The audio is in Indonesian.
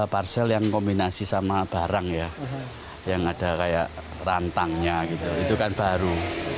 parsel yang kombinasi sama barang ya yang ada kayak rantangnya gitu itu kan baru